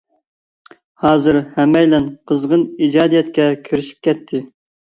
ھازىر ھەممەيلەن قىزغىن ئىجادىيەتكە كىرىشىپ كەتتى.